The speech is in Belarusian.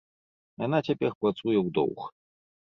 Яна цяпер працуе ў доўг.